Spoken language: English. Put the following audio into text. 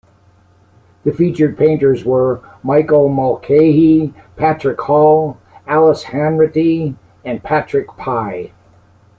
The featured painters were Michael Mulcahy, Patrick Hall, Alice Hanratty and Patrick Pye.